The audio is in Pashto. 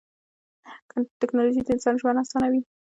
تکنالوژي د انسان ژوند اسانوي.